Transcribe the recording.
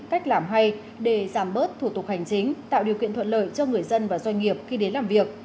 cách làm hay để giảm bớt thủ tục hành chính tạo điều kiện thuận lợi cho người dân và doanh nghiệp khi đến làm việc